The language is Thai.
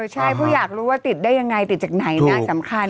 ใช่เพราะอยากรู้ว่าติดได้ยังไงติดจากไหนนะสำคัญ